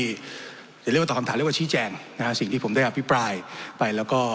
อย่าเรียกว่าตอบคำถามเรียกว่าชี้แจงนะฮะสิ่งที่ผมได้อภิปรายไปแล้วก็